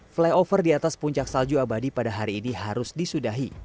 flyover di atas puncak salju abadi pada hari ini harus disudahi